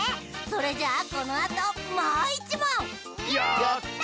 それじゃあこのあともういちもん！